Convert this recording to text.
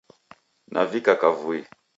Navika kavui